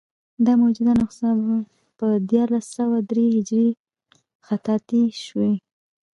دا موجوده نسخه په دیارلس سوه درې هجري خطاطي شوې.